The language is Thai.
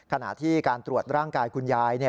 ขณะที่การตรวจร่างกายคุณยาย